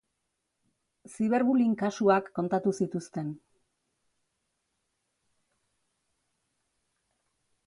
Ziberbullying kasuak kontatu zituzten.